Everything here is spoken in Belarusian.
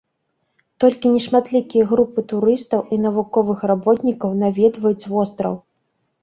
Толькі нешматлікія групы турыстаў і навуковых работнікаў наведваюць востраў.